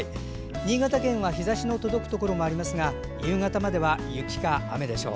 新潟県は日ざしの届くところもありますが夕方までは雪か雨でしょう。